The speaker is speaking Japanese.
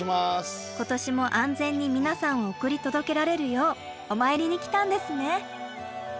今年も安全に皆さんを送り届けられるようお参りに来たんですね。